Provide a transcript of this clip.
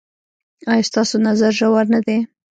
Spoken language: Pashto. ایا ستاسو نظر ژور نه دی؟